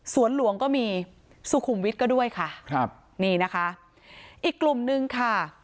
หลวงก็มีสุขุมวิทย์ก็ด้วยค่ะครับนี่นะคะอีกกลุ่มนึงค่ะ